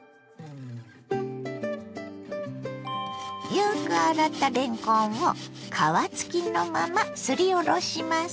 よく洗ったれんこんを皮付きのまますりおろします。